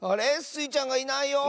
スイちゃんがいないよ！